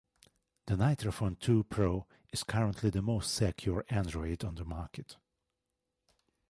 The "NitroPhone two pro" is currently the most secure Android on the market.